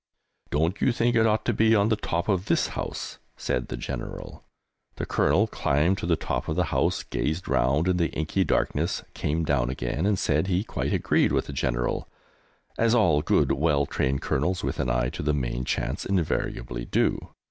"Don't you think it ought to be on the top of this house?" said the General. The Colonel climbed to the top of the house, gazed round in the inky darkness, came down again, and said he quite agreed with the General, as all good, well trained Colonels, with an eye to the main chance, invariably do!